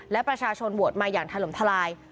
และประชาชนโหวตมาอย่างถล่มทลาย